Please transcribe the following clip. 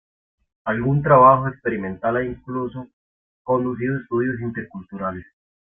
Algún trabajo experimental ha incluso conducido estudios interculturales.